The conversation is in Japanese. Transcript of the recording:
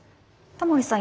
タモリさん